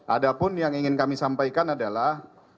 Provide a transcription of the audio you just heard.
ada pun yang ingin kami sampaikan adalah